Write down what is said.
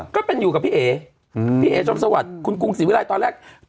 ก็เป็นอยู่กับพี่เอ๋พี่เอ๋ชมสวัสดิ์คุณกรุงศรีวิรัยตอนแรก